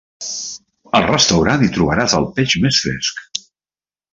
Al restaurant hi trobaràs el peix més fresc.